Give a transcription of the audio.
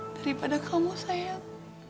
daripada kamu sayang